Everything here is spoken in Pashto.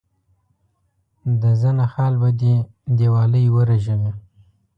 د زنه خال به دي دیوالۍ ورژوي.